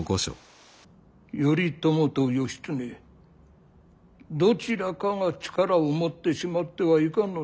頼朝と義経どちらかが力を持ってしまってはいかんのだ。